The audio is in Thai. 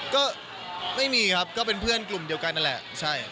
ก็ไม่มีครับก็เป็นเพื่อนกลุ่มเดียวกันนั่นแหละใช่